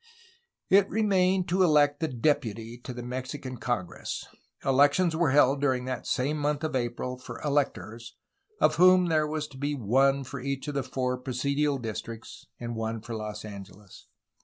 It remained to elect the deputy to the Mexican Congress. Elections were held during that same month of April for electors, of whom there was to be one for each of the four presidial districts and one for Los Angeles.